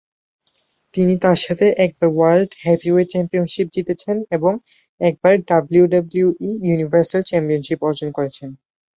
তিনি তার সাথে একবার ওয়ার্ল্ড হেভিওয়েট চ্যাম্পিয়নশিপ জিতেছেন এবং একবার ডাব্লিউডাব্লিউই ইউনিভার্সাল চ্যাম্পিয়নশিপ অর্জন করেছেন।